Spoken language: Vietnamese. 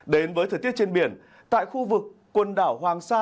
đến với thời tiết trên biển tại khu vực quần đảo hoàng sa